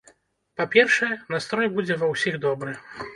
Па-першае, настрой будзе ва ўсіх добры.